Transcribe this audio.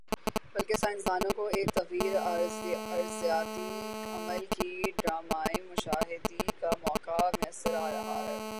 بلکہ سائنس دانوں کو ایک طویل ارضیاتی عمل کی ڈرامائی مشاہدی کا موقع میسر آرہا ہی۔